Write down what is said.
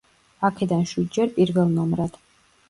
აქედან შვიდჯერ პირველ ნომრად.